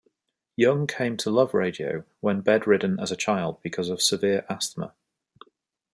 Young came to love radio when bedridden as a child because of severe asthma.